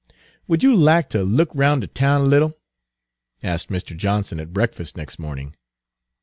"Would you lack ter look 'roun' de town a little?" asked Mr. Johnson at breakfast next morning.